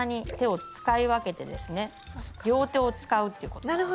両手を使うっていうことです。